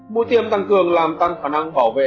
mũi tiêm tăng cường làm tăng khả năng bảo vệ